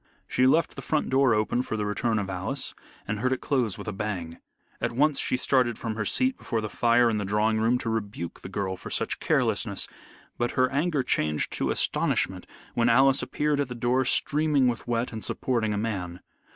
She left the front door open for the return of Alice, and heard it close with a bang. At once she started from her seat before the fire in the drawing room to rebuke the girl for such carelessness, but her anger changed to astonishment when Alice appeared at the door streaming with wet and supporting a man.